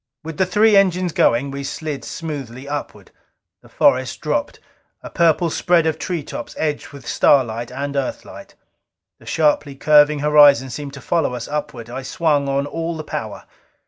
With the three engines going, we slid smoothly upward. The forest dropped, a purple spread of treetops edged with starlight and Earthlight. The sharply curving horizon seemed to follow us upward. I swung on all the power.